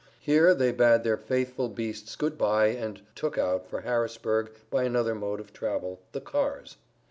Here they bade their faithful beasts good bye and "took out" for Harrisburg by another mode of travel, the cars.